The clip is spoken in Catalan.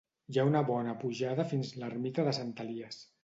Hi ha una bona pujada fins l'ermita de Sant Elies